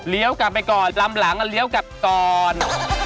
กลับไปก่อนลำหลังเลี้ยวกลับก่อน